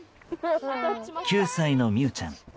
９歳の美羽ちゃん。